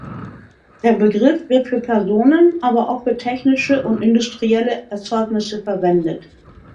Der Begriff wird für Personen aber auch für technische und industrielle Erzeugnisse verwendet.